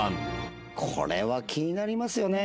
これは気になりますよね。